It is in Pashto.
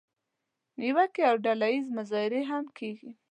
نیوکې او ډله اییزه مظاهرې هم کیږي.